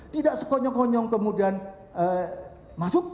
tidak sekonyong konyong kemudian masuk